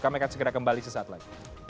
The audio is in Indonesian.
kami akan segera kembali sesaat lagi